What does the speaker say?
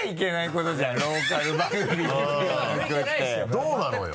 どうなのよ？